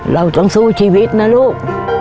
เราต้องสู้ชีวิตนะลูก